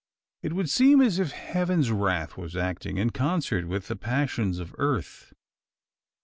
It would seem as if Heaven's wrath was acting in concert with the passions of Earth!